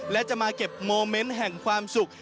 และจะมาเก็บโมเมนต์แห่งความสุข